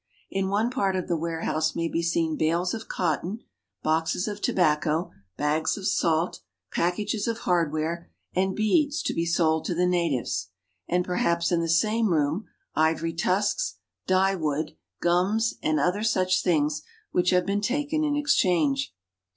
In one part of the warehouse may be seen bales of cotton, boxes of tobacco, bags of salt, packages of hardware, and beads to be sold to the natives; and per haps in the same room ivory tusks, dyewood, gums, and other such things which have been taken in exchange.